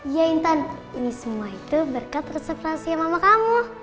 iya intan ini semua itu berkat resep rahasia mama kamu